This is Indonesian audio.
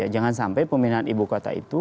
jangan sampai pemindahan ibu kota itu